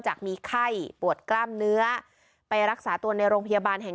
จากมีไข้ปวดกล้ามเนื้อไปรักษาตัวในโรงพยาบาลแห่ง